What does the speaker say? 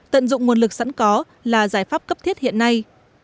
tận dụng nguồn lực sẵn có là giải pháp cấp thiết hiện nay